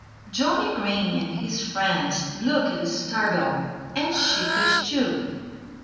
Johnnie Green and his friends looked startled and sheepish, too.